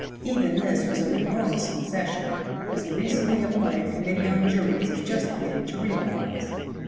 Even this was an enormous concession, as the recently appointed Committee on Juries is just beginning to realize.